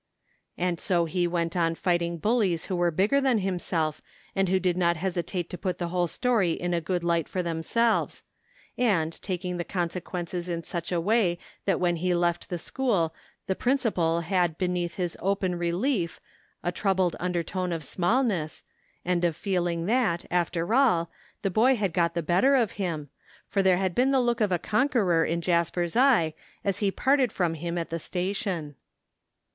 And so he went on fighting bullies who were bigger than himself and who did not hesitate to put the whole story in a good light for themselves; and taking the con sequences in such a way that when he left a school the principal had beneath his open relief a troubled imder tone of smallness, and of feeling that, after all, the boy had got the better of him, for there had been the look of a conqueror in Jasper's eye as he parted from him at the station.